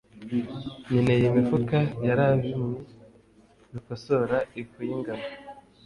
nkeneye imifuka yerabimwe bikosora-ifu yingano